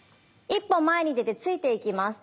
一歩前に出て突いていきます。